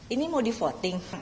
ini mau di voting